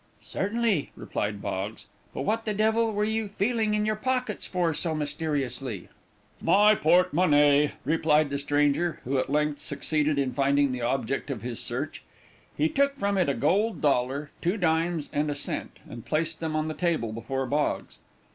"Certainly," replied Boggs. "But what the devil were you feeling in your pockets for so mysteriously?" "My porte monnaie," replied the stranger, who at length succeeded in finding the object of his search. He took from it a gold dollar, two dimes and a cent, and placed them on the table before Boggs.